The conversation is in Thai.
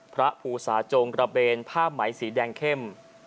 พระภูสาจงกระเบนผ้าไหมสีแดงเข้ม